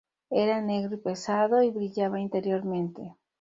Era negro y pesado, y brillaba interiormente.